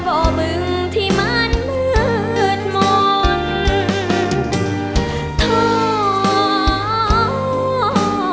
เพราะมึงที่มันเหมือนมนต์